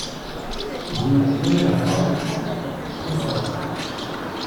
Rue René Lafargue, Prayssac